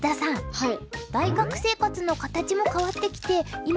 はい。